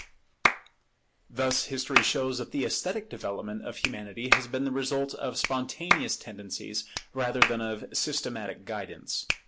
Thus history shows that the esthetic development of Humanity has been the result of spontaneous tendencies rather than of systematic guidance.